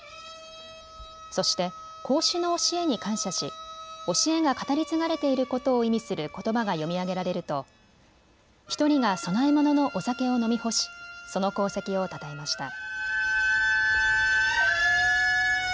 そして孔子の教えに感謝し教えが語り継がれていることを意味することばが読み上げられると１人が供え物のお酒を飲み干し、その功績をたたえました。